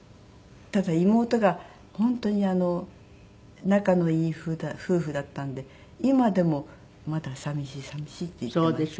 ただ妹が本当に仲のいい夫婦だったので今でもまだ「寂しい寂しい」って言っています。